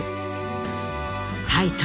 タイトルは。